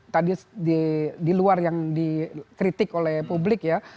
tadi di luar yang dikritik oleh publik ya